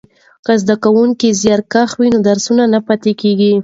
که زده کوونکی زیارکښ وي نو درس نه پاتیږي.